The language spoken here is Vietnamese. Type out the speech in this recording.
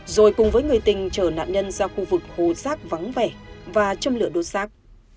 rồi cùng với người tình chở nạn nhân ra khu vực hồ xác vắng vẻ và châm lửa đốt xác